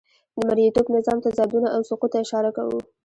د مرئیتوب نظام تضادونه او سقوط ته اشاره کوو.